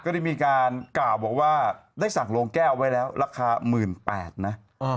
ได้มีการกล่าวบอกว่าได้สั่งโรงแก้วไว้แล้วราคา๑๘๐๐นะ